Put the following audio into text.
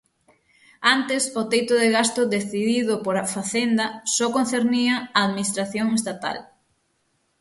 Antes o teito de gasto decidido por Facenda só concernía a administración estatal.